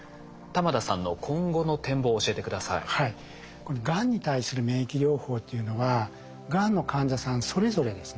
このがんに対する免疫療法というのはがんの患者さんそれぞれですね